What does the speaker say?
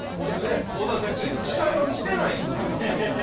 小田先生、下読みしてないんですか？